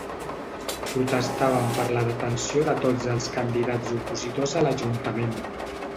Protestaven per la detenció de tots els candidats opositors a l’ajuntament.